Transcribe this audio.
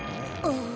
ああ。